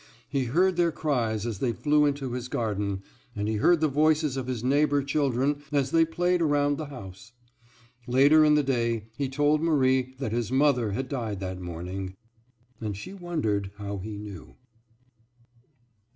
He heard their cries as they flew into his garden, and he heard the voices of his neighbor children as they played around the house. Later in the day he told Marie that his mother had died that morning, and she wondered how he knew.